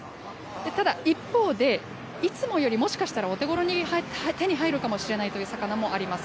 ただ、一方で、いつもより、もしかしたらお手ごろに手に入るかもしれないという魚もあります。